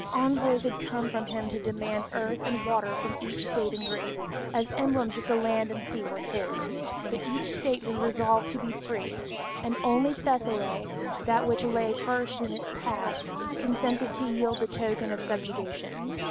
Envoys had come from him to demand earth and water from each state in Greece, as emblems that land and sea were his, but each state was resolved to be free, and only Thessaly, that which lay first in his path, consented to yield the token of subjugation.